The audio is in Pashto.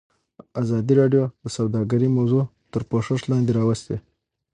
ازادي راډیو د سوداګري موضوع تر پوښښ لاندې راوستې.